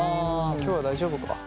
今日は大丈夫か。